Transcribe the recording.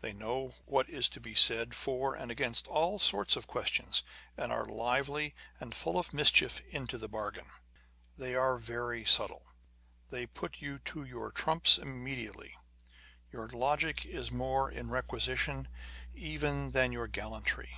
They know what is to be said for and against all sorts of questions, and are lively and full of mischief into the bargain. They are very subtle. They put you to your trumps immediately. Your logic is more in requisition even than your gallantry.